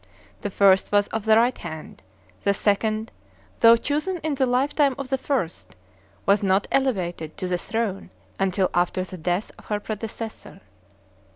The first was of the right hand; the second, though chosen in the lifetime of the first, was not elevated to the throne until after the death of her predecessor.